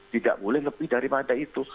tidak boleh lebih daripada itu